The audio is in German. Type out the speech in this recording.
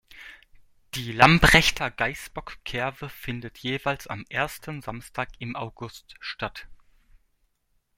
Die Lambrechter „Geißbock-Kerwe“ findet jeweils am ersten Samstag im August statt.